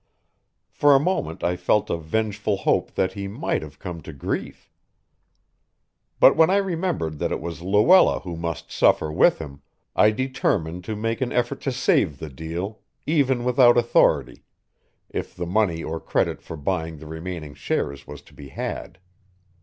For a moment I felt a vengeful hope that he might have come to grief. But when I remembered that it was Luella who must suffer with him, I determined to make an effort to save the deal, even without authority, if the money or credit for buying the remaining shares was to be had.